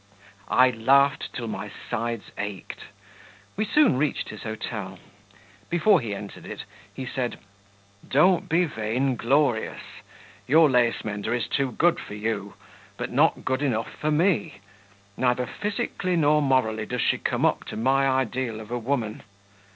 I laughed till my sides ached. We soon reached his hotel; before he entered it, he said "Don't be vainglorious. Your lace mender is too good for you, but not good enough for me; neither physically nor morally does she come up to my ideal of a woman.